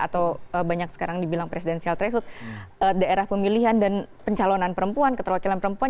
atau banyak sekarang dibilang presidensial threshold daerah pemilihan dan pencalonan perempuan keterwakilan perempuan